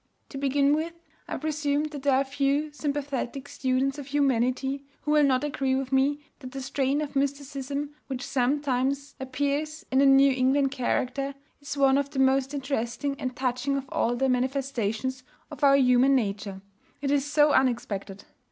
To begin with, I presume that there are few sympathetic students of humanity who will not agree with me that the strain of mysticism which sometimes appears in the New England character is one of the most interesting and touching of all the manifestations of our human nature. It is so unexpected!